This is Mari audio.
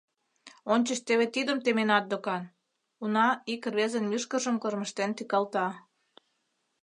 — Ончыч теве тидым теменат докан? — уна ик рвезын мӱшкыржым кормыжтен тӱкалта.